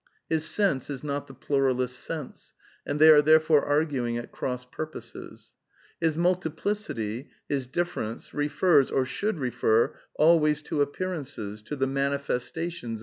His sense is not the pluralist's sense, and they are therefore arguing at cross purposes. Jfia Tmi]t]p]^^^^p ^^° difference, refers, ojahould refer, always Jto appearances, to the maniiestatiQDA.